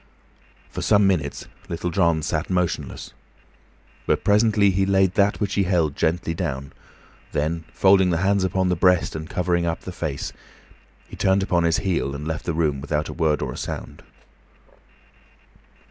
For some minutes Little John sat motionless, but presently he laid that which he held gently down, then, folding the hands upon the breast and covering up the face, he turned upon his heel and left the room without a word or a sound.